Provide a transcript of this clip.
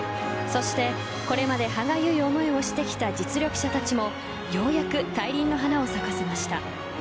そして、これまではがゆい思いをしてきた実力者たちもようやく大輪の花を咲かせました。